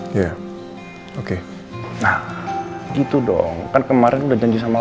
iya oke nah gitu dong kan kemarin udah janji sama